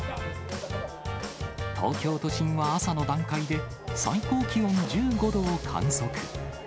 東京都心は朝の段階で、最高気温１５度を観測。